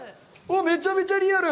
めちゃめちゃリアル！